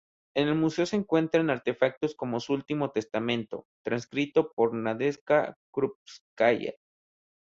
En el museo se encuentran artefactos como su último testamento, transcrito por Nadezhda Krúpskaya.